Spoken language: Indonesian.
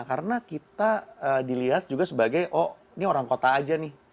karena kita dilihat juga sebagai oh ini orang kota aja nih